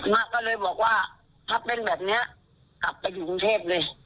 มะก็เลยบอกว่าถ้าเป็นแบบนี้กลับไปอยู่กรุงเทพเลย